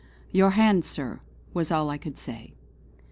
"Your hand, Sir" was all I could say.